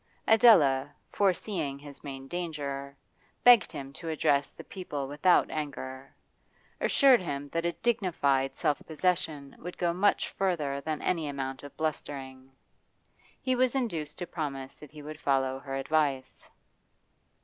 Adela, foreseeing his main danger, begged him to address the people without anger, assured him that a dignified self possession would go much farther than any amount of blustering. He was induced to promise that he would follow her advice.